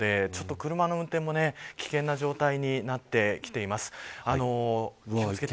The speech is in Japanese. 車の運転も危険な状態になってきています。